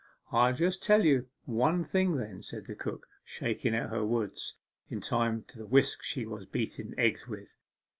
'I'll just tell you one thing then,' said the cook, shaking out her words to the time of a whisk she was beating eggs with.